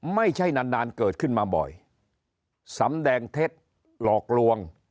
ไม่ใช่นานนานเกิดขึ้นมาบ่อยสำแดงเท็จหลอกลวง